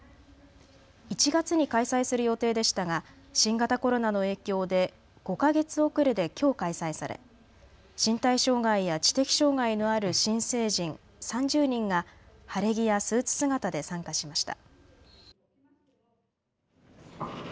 １月に開催する予定でしたが新型コロナの影響で５か月遅れできょう開催され身体障害や知的障害のある新成人３０人が晴れ着やスーツ姿で参加しました。